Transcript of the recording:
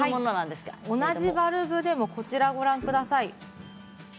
同じバルブでもこちらをご覧ください。